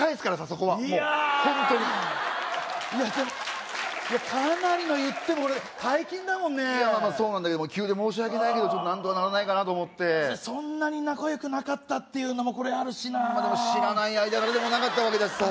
そこはもうホントにいやいやでもかなりの言ってもこれ大金だもんねいやまあまあそうなんだけど急で申し訳ないけど何とかならないかなと思ってそんなに仲よくなかったっていうのもこれあるしなでも知らない間柄でもなかったわけだしさ